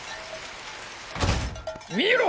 見ろ！